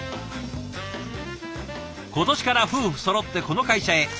今年から夫婦そろってこの会社へ。